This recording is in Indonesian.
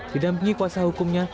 didampingi kuasa hukumnya